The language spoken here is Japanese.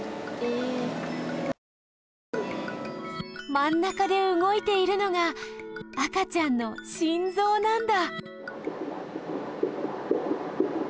まん中でうごいているのが赤ちゃんの心ぞうなんだ